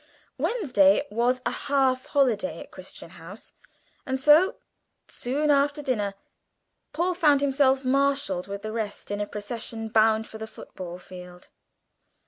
Wednesday was a half holiday at Crichton House, and so, soon after dinner, Paul found himself marshalled with the rest in a procession bound for the football field.